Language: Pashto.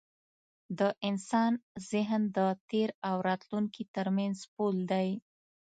د انسان ذهن د تېر او راتلونکي تر منځ پُل دی.